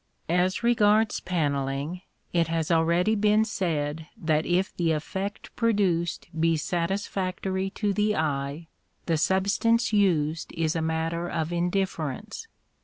As regards panelling, it has already been said that if the effect produced be satisfactory to the eye, the substance used is a matter of indifference.